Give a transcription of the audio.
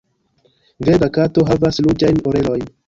Verda Kato havas ruĝajn orelojn.